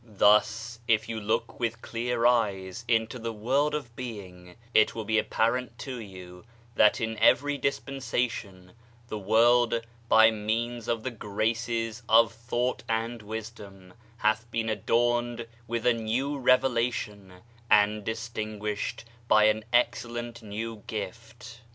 Thus, if you look with clear eyes into the world of being it will be apparent to you that in every dispensation, the world, by means of the graces of thought and wisdom, hath been adorned with a new revelation and distinguished by an excellent new gift.